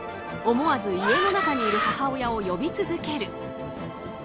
思わず家の中にいる母親を呼び続ける。